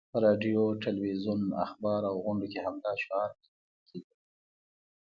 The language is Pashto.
په راډیو، تلویزیون، اخبار او غونډو کې همدا شعار بدرګه کېدلو.